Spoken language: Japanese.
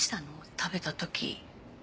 食べた時。